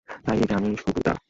তানি, এইযে আমি শুটুদা।